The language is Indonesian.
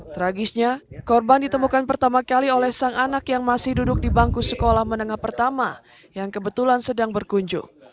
tragisnya korban ditemukan pertama kali oleh sang anak yang masih duduk di bangku sekolah menengah pertama yang kebetulan sedang berkunjung